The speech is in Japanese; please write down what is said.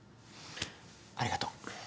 ありがとう。